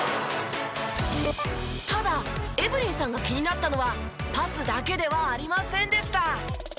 ただエブリンさんが気になったのはパスだけではありませんでした。